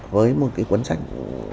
với một cái cuốn sách